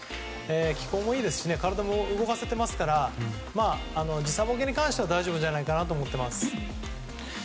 気候もいいですし体も動かせていますから時差ボケに関しては大丈夫じゃないかなと思っています。